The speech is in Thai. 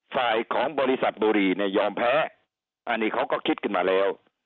ฝ่ายของบริษัทบุรีเนี่ยยอมแพ้อันนี้เขาก็คิดขึ้นมาแล้ว